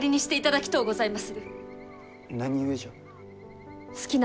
何故じゃ？